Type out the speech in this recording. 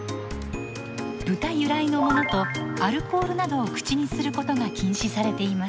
豚由来のものとアルコールなどを口にすることが禁止されています。